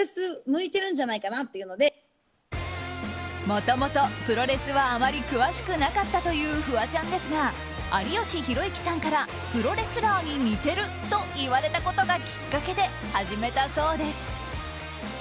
もともとプロレスはあまり詳しくなかったというフワちゃんですが有吉弘行さんからプロレスラーに似てると言われたことがきっかけで始めたそうです。